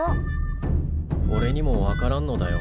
おれにも分からんのだよ。